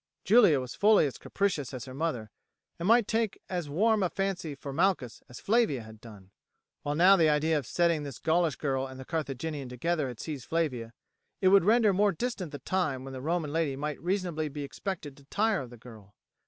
Julia was fully as capricious as her mother, and might take as warm a fancy for Malchus as Flavia had done, while, now the idea of setting this Gaulish girl and the Carthaginian together had seized Flavia, it would render more distant the time when the Roman lady might be reasonably expected to tire of the girl.